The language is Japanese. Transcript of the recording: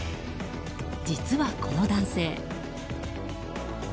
実はこの男性。